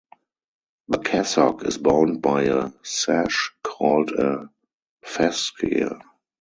The cassock is bound by a sash, called a fascia.